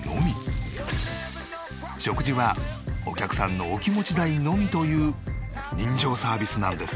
食事はお客さんのお気持ち代のみという人情サービスなんです。